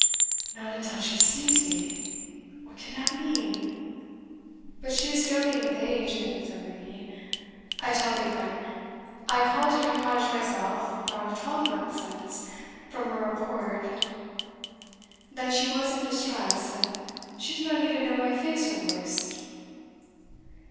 "Not until she sees me! what can that mean? But she is doting with age and infirmity. I tell thee, friend, I called at her cottage myself, not a twelvemonth since, from a report that she was in distress, and she did not even know my face or voice."